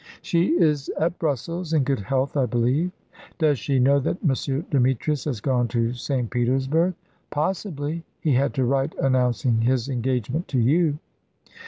"She is at Brussels. In good health, I believe." "Does she know that M. Demetrius has gone to St. Petersburg?" "Possibly. He had to write announcing his engagement to you."